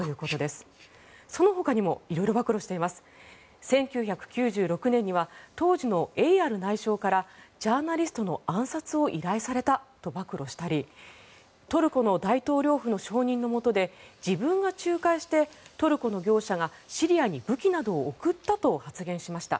１９９６年には当時のエイアル内相からジャーナリストの暗殺を依頼されたと暴露したりトルコの大統領府の承認のもとで自分が仲介してトルコの業者がシリアに武器などを送ったと発言しました。